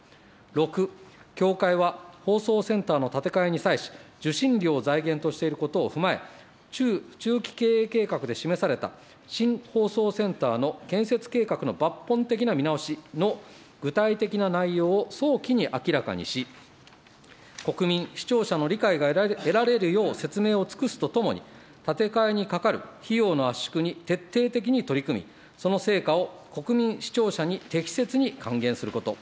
６、協会は放送センターの建て替えに際し、受信料を財源としていることを踏まえ、中期経営計画で示された新放送センターの建設計画の抜本的な見直しの具体的な内容を早期に明らかにし、国民、視聴者の理解が得られるよう、説明を尽くすとともに、建て替えにかかる費用の圧縮に徹底的に取り組み、その成果を国民、視聴者に適切に還元すること。